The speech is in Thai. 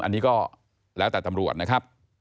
อันนี้ก็แล้วแต่ตำรวจนะครับ